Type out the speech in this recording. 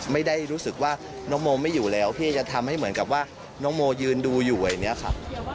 ไม่ได้รู้สึกว่าน้องโมไม่อยู่แล้วพี่จะทำให้เหมือนกับว่าน้องโมยืนดูอยู่อย่างนี้ครับ